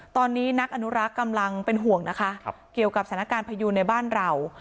ตอนนี้นักอนุรักษ์กำลังเป็นห่วงนะคะเกี่ยวกับสถานการณ์พยูนในบ้านเรา